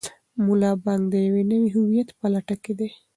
ملا بانګ د یو نوي هویت په لټه کې دی.